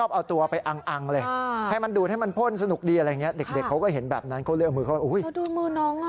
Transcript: เขาเลยเอามือเข้าโอ้โฮดูมือน้องอ่ะ